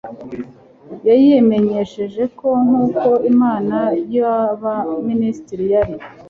Yayimenyesheje ko nk uko Inama y Abaminisitiri yari